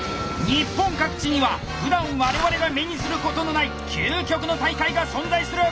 日本各地にはふだん我々が目にすることのない究極の大会が存在する。